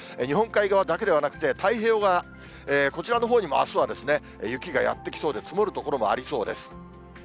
日本海側だけではなくて、太平洋側、こちらのほうにもあすは雪がやって来そうで、積もる所もありそうです。